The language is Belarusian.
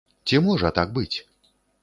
Ці можа так быць?